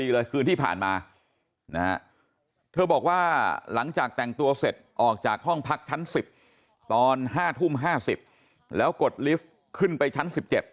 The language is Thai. เธอบอกว่าหลังจากแต่งตัวเสร็จออกจากห้องพักชั้น๑๐ตอน๕ทุ่ม๕๐แล้วกดลิฟต์ขึ้นไปชั้น๑๗